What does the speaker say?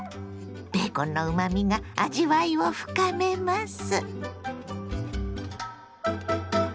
ベーコンのうまみが味わいを深めます。